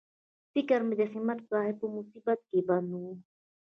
فکر مې د همت صاحب په مصیبت کې بند و.